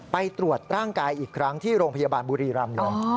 ไปตรวจร่างกายอีกครั้งที่โรงพยาบาลบุรีรำเลย